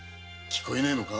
聞こえねえのか。